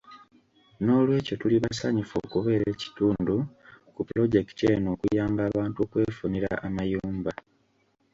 N'olwekyo tuli basanyufu okubeera ekitundu ku pulojekiti eno okuyamba abantu okwefunira amayumba.